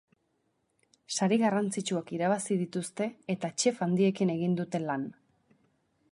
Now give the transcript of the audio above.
Sari garrantzitsuak irabazi dituzte eta chef handiekin egin dute lan.